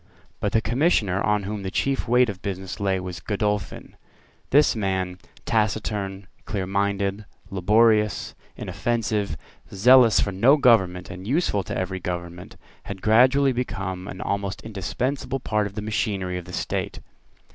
But the Commissioner on whom the chief weight of business lay was Godolphin. This man, taciturn, clearminded, laborious, inoffensive, zealous for no government and useful to every government, had gradually become an almost indispensable part of the machinery of the state.